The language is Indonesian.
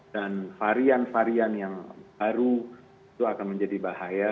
dan varian varian yang baru itu akan menjadi bahaya